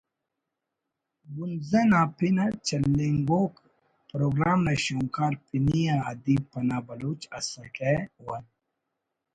”بنزہ“ نا پن اٹ چلینگوک پروگرام نا شونکار پنی آ ادیب پناہ بلوچ ئسکہ و